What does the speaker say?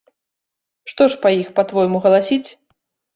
Што ж па іх, па-твойму, галасіць?